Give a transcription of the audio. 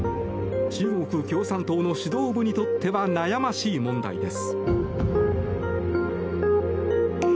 中国共産党の指導部にとっては悩ましい問題です。